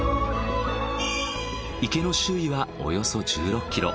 池の周囲はおよそ１６ｋｍ。